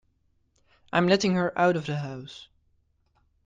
I'm letting her out of the house.